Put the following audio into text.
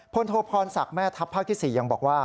โทพรศักดิ์แม่ทัพภาคที่๔ยังบอกว่า